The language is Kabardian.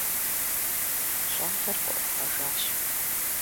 Щӏалэр къыӏухьэжащ.